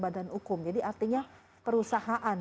badan hukum jadi artinya perusahaan